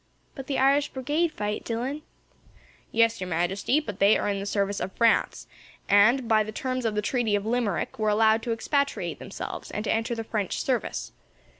"But the Irish Brigade fight, Dillon?" "Yes, Your Majesty, but they are in the service of France, and, by the terms of the treaty of Limerick, were allowed to expatriate themselves, and to enter the French service.